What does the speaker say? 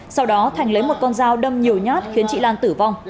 sau đó thành lấy một con dao đâm nhiều nhát khiến chị lan tử vong